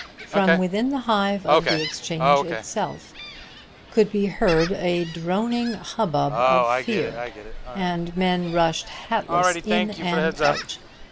From within the hive of the Exchange itself could be heard a droning hubbub of fear and men rushed hatless in and out.